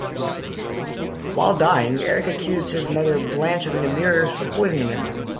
While dying Eric accused his mother Blanche of Namur of poisoning him.